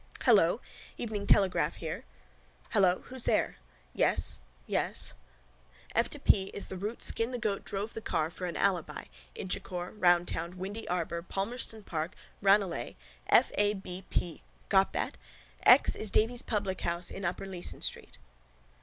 —Hello? Evening Telegraph here... Hello?... Who's there?... Yes... Yes... Yes. —F to P is the route Skin the Goat drove the car for an alibi, Inchicore, Roundtown, Windy Arbour, Palmerston Park, Ranelagh. F.A.B.P. Got that? X is Davy's publichouse in upper Leeson street.